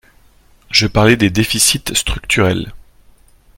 Je parlais des déficits structurels